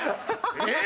えっ？